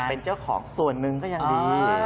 เป็นเจ้าของส่วนหนึ่งก็ยังดี